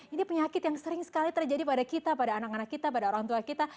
ini penyakit yang sering sekali terjadi pada kita pada anak anak kita pada orang tua kita